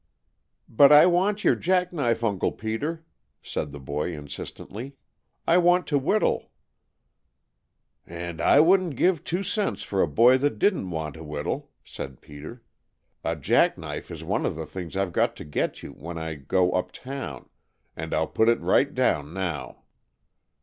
"But I want your jack knife, Uncle Peter," said the boy insistently. "I want to whittle." "And I wouldn't give two cents for a boy that didn't want to whittle," said Peter. "A jack knife is one of the things I've got to get you when I go up town, and I'll put it right down now."